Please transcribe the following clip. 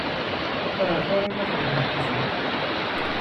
Ahat ara naf ddwa n temsal.